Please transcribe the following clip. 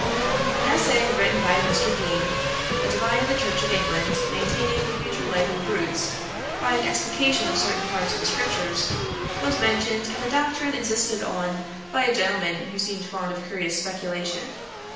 An essay, written by Mr. Deane, a divine of the Church of England, maintaining the future life of brutes, by an explication of certain parts of the scriptures, was mentioned, and the doctrine insisted on by a gentleman who seemed fond of curious speculation.